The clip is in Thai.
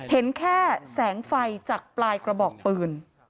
เห็นแค่แสงไฟจากปลายกระบอกปืน